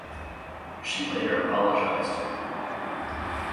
She later apologized.